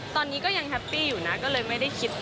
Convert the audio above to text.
ตอนนี้ก็ยังแฮปปี้อยู่นะก็เลยไม่ได้คิด